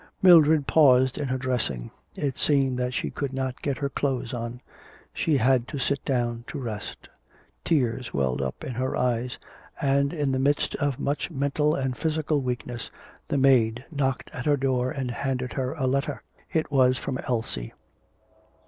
Mildred paused in her dressing; it seemed that she could not get her clothes on. She had to sit down to rest. Tears welled up into her eyes; and, in the midst of much mental and physical weakness, the maid knocked at her door and handed her a letter. It was from Elsie.